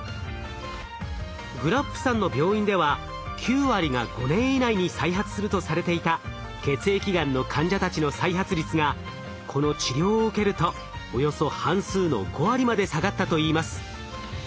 グラップさんの病院では９割が５年以内に再発するとされていた血液がんの患者たちの再発率がこの治療を受けるとおよそ半数の５割まで下がったといいます。